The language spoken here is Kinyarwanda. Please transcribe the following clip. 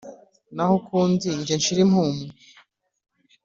naho ukunzi njye nshire impumu